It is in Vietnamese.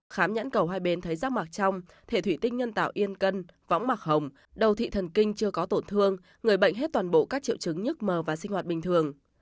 khám nhãn cầu hai bên thấy rác mạc trong thể thủy tinh nhân tạo yên cân võng mạc hồng đầu thị thần kinh chưa có tổn thương người bệnh hết toàn bộ các triệu chứng nhức mờ và sinh hoạt bình thường